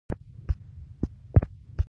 څوکۍ ولسوالي نورګل ولسوالي سرکاڼو ولسوالي